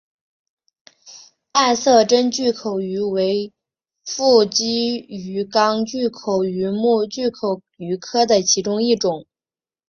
暗色真巨口鱼为辐鳍鱼纲巨口鱼目巨口鱼科的其中一种。